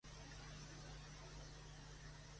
Brithaspati es va casar amb Tara.